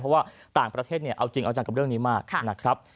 เพราะว่าต่างประเทศเอาจริงเอาจันกับเรื่องนี้มาก